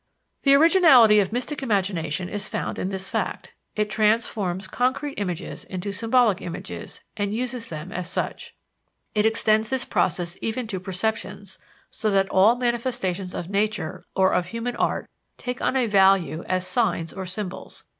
The originality of mystic imagination is found in this fact: It transforms concrete images into symbolic images, and uses them as such. It extends this process even to perceptions, so that all manifestations of nature or of human art take on a value as signs or symbols.